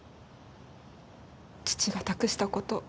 父が託したこと